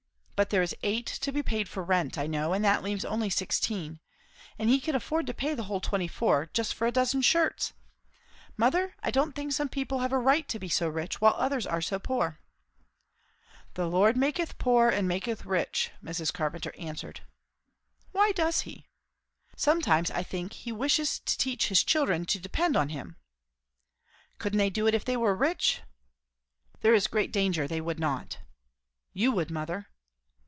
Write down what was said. But there is eight to be paid for rent, I know, and that leaves only sixteen. And he can afford to pay the whole twenty four, just for a dozen shirts! Mother, I don't think some people have a right to be so rich, while others are so poor." "'The Lord maketh poor and maketh rich,'" Mrs. Carpenter answered. "Why does he?" "Sometimes, I think, he wishes to teach his children to depend on him." "Couldn't they do it if they were rich?" "There is great danger they would not." "You would, mother."